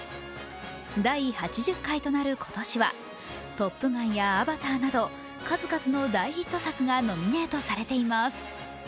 第８０回となる今年は、「トップガン」や「アバター」など数々の大ヒット作がノミネートされています。